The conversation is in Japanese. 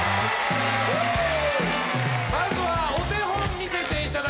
まずはお手本見せていただきましょう。